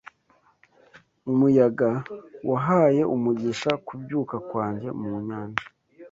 Umuyaga wahaye umugisha kubyuka kwanjye mu nyanja